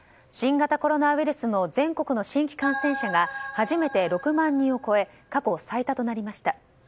新型コロナウイルスの全国の新規感染者が初めて６万人を超え過去最多となりました。